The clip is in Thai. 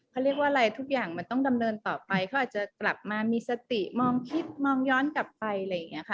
เขาเรียกว่าอะไรทุกอย่างมันต้องดำเนินต่อไปเขาอาจจะกลับมามีสติมองคิดมองย้อนกลับไปอะไรอย่างนี้ค่ะ